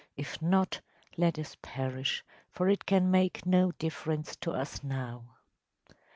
If not, let us perish, for it can make no difference to us now.